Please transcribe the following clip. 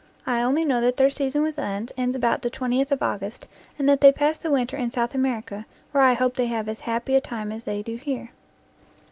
I only know that their season with us ends about the 20th of August, and that they pass the winter in South America, where I hope they have as happy a time as they do here.